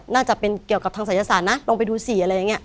น่าจะเป็นเกี่ยวกับทางศัยศาสตร์นะลองไปดูสิอะไรอย่างนี้